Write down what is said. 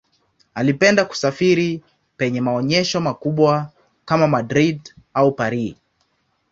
Alipenda kusafiri penye maonyesho makubwa kama Madrid au Paris.